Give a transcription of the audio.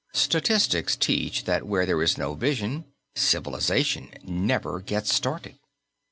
Statistics teach that where there is no vision, civilization never gets started!